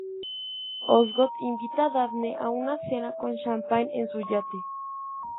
Osgood invita a Daphne a una cena con champagne en su yate.